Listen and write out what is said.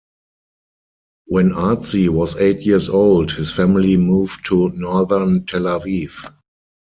When Artzi was eight years old, his family moved to northern Tel Aviv.